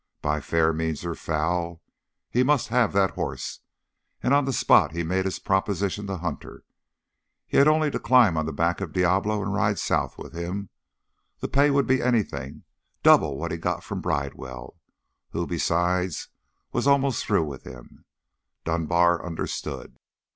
By fair means or foul, he must have that horse, and on the spot he made his proposition to Hunter. He had only to climb on the back of Diablo and ride south with him; the pay would be anything double what he got from Bridewell, who, besides, was almost through with him, Dunbar understood.